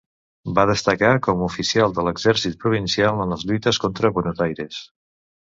Va destacar com a oficial de l'exèrcit provincial en les lluites contra Buenos Aires.